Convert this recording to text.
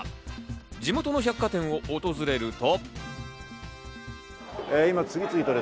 地元の百貨店を訪れると。